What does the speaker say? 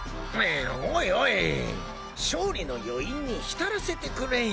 おいおい勝利の余韻に浸らせてくれよ。